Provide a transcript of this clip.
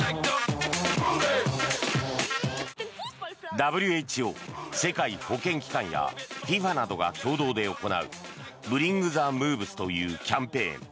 ＷＨＯ・世界保健機関やＦＩＦＡなどが共同で行うブリング・ザ・ムーブスというキャンペーン。